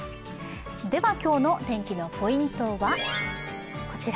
では今日の天気のポイントは、こちら。